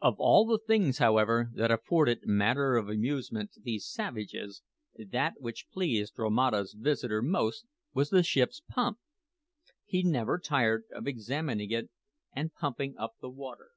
Of all the things, however, that afforded matter of amusement to these savages, that which pleased Romata's visitor most was the ship's pump. He never tired of examining it and pumping up the water.